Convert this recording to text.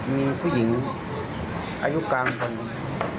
มีผู้หญิงอายุกลางกว่าหนึ่ง